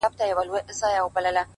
ولاړ انسان به وي ولاړ تر اخریته پوري’